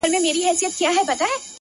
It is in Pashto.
o د ورورولۍ په معنا؛